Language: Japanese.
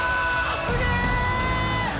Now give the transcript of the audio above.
すげえ！